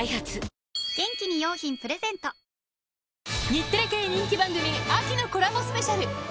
日テレ系人気番組秋のコラボスペシャル。